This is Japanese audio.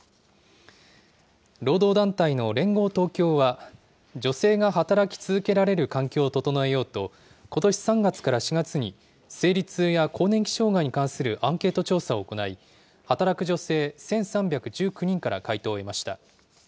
労働団体の連合東京は、女性が働き続けられる環境を整えようと、ことし３月から４月に、生理痛や更年期障害に関するアンケート調査を行い、働く女性１３１９人から回答を得ました。